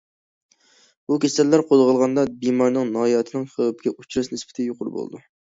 بۇ كېسەللەر قوزغالغاندا بىمارنىڭ ھاياتىنىڭ خەۋپكە ئۇچراش نىسبىتى يۇقىرى بولىدۇ.